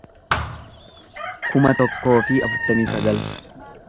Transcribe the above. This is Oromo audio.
kuma tokkoo fi afurtamii sagal